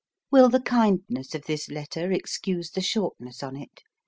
Will the kindness of this letter excuse the shortness on't?